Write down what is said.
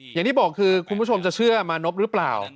อย่างที่บอกคือคุณผู้ชมจะเชื่อมานพหรือเปล่า